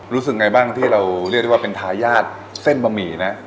รู้สึกไงบ้างที่เราเรียกได้ว่าเป็นทายาทเส้นบะหมี่นะ